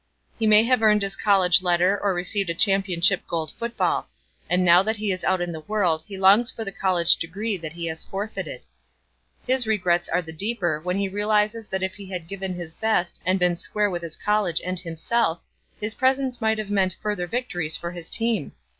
He may have earned his college letter or received a championship gold football. And now that he is out in the world he longs for the college degree that he has forfeited. His regrets are the deeper when he realizes that if he had given his best and been square with his college and himself, his presence might have meant further victories for his team.